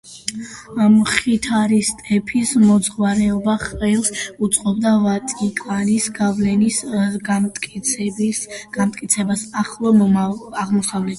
მხითარისტების მოღვაწეობა ხელს უწყობდა ვატიკანის გავლენის განმტკიცებას ახლო აღმოსავლეთში.